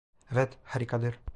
Evet, harikadır.